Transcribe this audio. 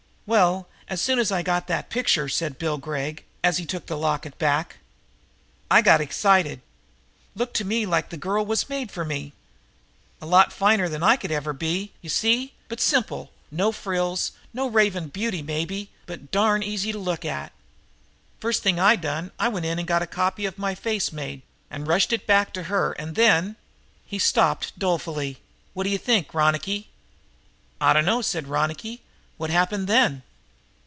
"Well, as soon as I got that picture," said Bill Gregg, as he took back the locket, "I sure got excited. Looked to me like that girl was made for me. A lot finer than I could ever be, you see, but simple; no fancy frills, no raving beauty, maybe, but darned easy to look at. "First thing I done I went in and got a copy of my face made and rushed it right back at her and then " He stopped dolefully. "What d'you think, Ronicky?" "I dunno," said Ronicky; "what happened then?"